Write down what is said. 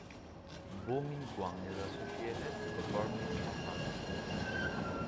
Bo Min Gaung is associated with the Burmese nationalist movement.